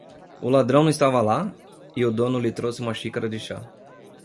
O ladrão não estava lá? e o dono lhe trouxe uma xícara de chá.